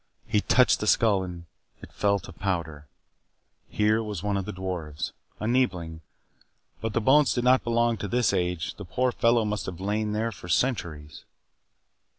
He touched the skull and it fell to powder. Here was one of the dwarfs a Neebling but the bones did not belong to this age; the poor fellow must have lain there for centuries.